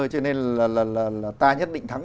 cho nên là ta nhất định thắng